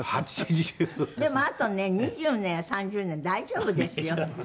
「でもあとね２０年や３０年は大丈夫ですよ」